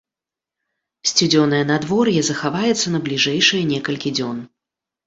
Сцюдзёнае надвор'е захаваецца на бліжэйшыя некалькі дзён.